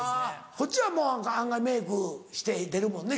こっちは案外メークして出るもんね